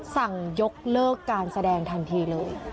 สั่งยกเลิกการแสดงทันทีเลย